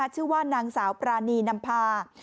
ชื่อว่านางสาวปรานีนำพา